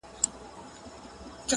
یو مرغه وو په ځنګله کي اوسېدلی -